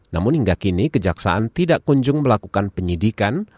namun hingga kini kejaksaan tidak kunjung melakukan penyidikan